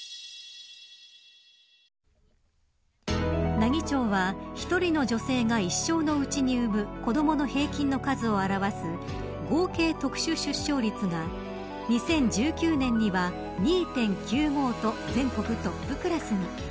奈義町は１人の女性が一生のうちに産む子どもの平均の数を表す合計特殊出生率が２０１９年には２．９５と全国トップクラスに。